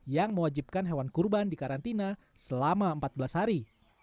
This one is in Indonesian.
yang mewajibkan hewan kurban di karantina selama empat belas hari